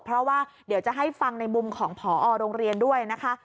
เพราะว่าเดี๋ยวจะให้ฟังในมุมของผอโรงเรียนด้วยนะคะ